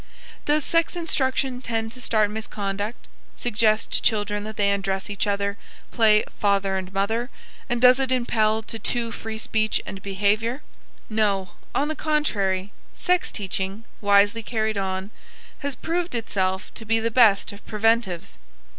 Does sex instruction tend to start misconduct suggest to children that they undress each other, play "father and mother," and does it impel to too free speech and behavior? No, on the contrary, sex teaching, wisely carried on, has proved itself to be the best of preventives.